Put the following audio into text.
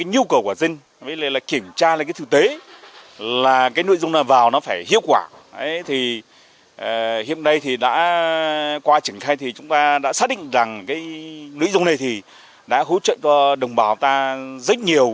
hiện nay thì đã qua trình khai thì chúng ta đã xác định rằng cái nữ dung này thì đã hỗ trợ đồng bào ta rất nhiều